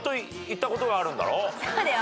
そうだよ。